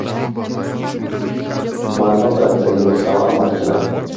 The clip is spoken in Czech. Má dva bratry Michala a Martina.